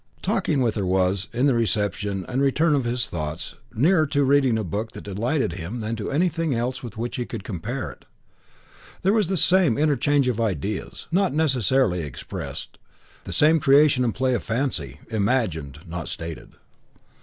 Talking with her was, in the reception and return of his thoughts, nearer to reading a book that delighted him than to anything else with which he could compare it. There was the same interchange of ideas, not necessarily expressed; the same creation and play of fancy, imagined, not stated.